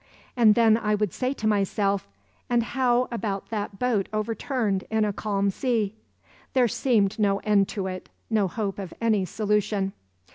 And then I would say to myself, 'and how about that boat overturned in a calm sea?' There seemed no end to it, no hope of any solution.